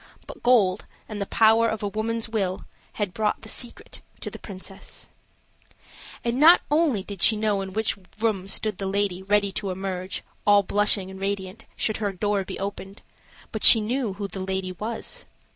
But gold, and the power of a woman's will, had brought the secret to the princess. And not only did she know in which room stood the lady ready to emerge, all blushing and radiant, should her door be opened, but she knew who the lady was.